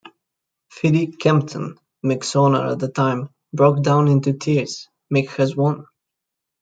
Phiddy Kempton, Mick's owner at the time, broke down into tears, Mick has won!